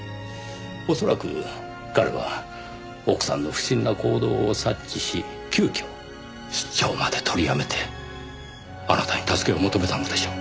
恐らく彼は奥さんの不審な行動を察知し急遽出張まで取りやめてあなたに助けを求めたのでしょう。